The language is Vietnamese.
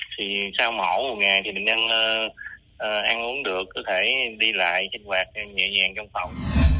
thì sau mổ một ngày thì bệnh nhân ăn uống được có thể đi lại sinh hoạt nhẹ nhàng trong phòng